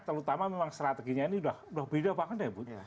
terutama memang strateginya ini sudah beda banget bud